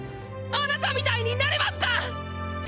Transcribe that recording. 「あなたみたいになれますか？」